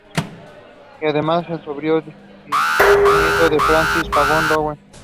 Y además sobrino bisnieto de Francis Cabot Lowell.